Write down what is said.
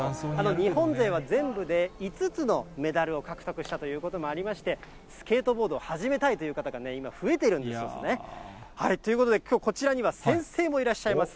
日本勢は全部で５つのメダルを獲得したということもありまして、スケートボードを始めたいという方が今、増えているんだそうですね。ということできょう、こちらには先生もいらっしゃいます。